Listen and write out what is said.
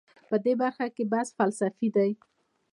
په دې برخه کې بحث فلسفي دی.